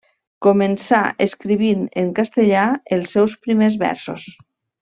Començà escrivint en castellà els seus primers versos.